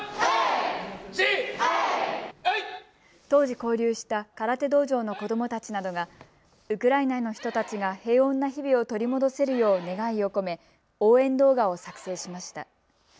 当時交流した空手道場の子どもたちなどがウクライナの人たちが平穏な日々を取り戻せるよう願いを込め応援動画を作成しました。